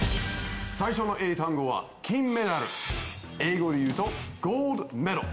最初の英単語は「金メダル」英語でゴールドメダル。